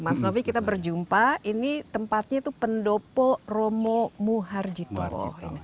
mas novi kita berjumpa ini tempatnya itu pendopo romo muharjito